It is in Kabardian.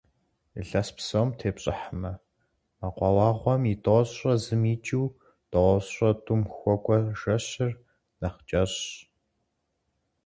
Илъэс псом тепщӀыхьмэ, мэкъуауэгъуэм и тӏощӏрэ зым икӀыу тӏощӏрэ тӏум хуэкӀуэ жэщыр нэхъ кӀэщӀщ.